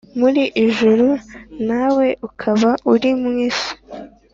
mu ijuru nawe ukaba uri mu isi